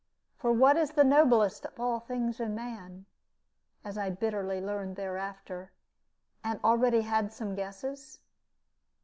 For what is the noblest of all things in man as I bitterly learned thereafter, and already had some guesses?